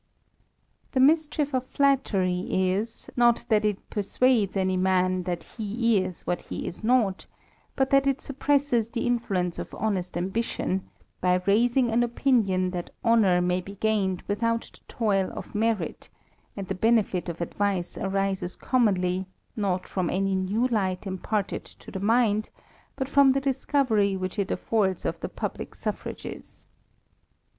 The mischief of flattery is, not that it persuades any man that he is what he is not, but that it suppresses the influence of honest ambition, by raising an opinion that honour may be gained without the toil of merit ; and the benefit of advice arises commonly, not from any new light imparted to THE RAMBLER. 163 th« mind, but from the discovery which it affords of the F*iablick suffrages.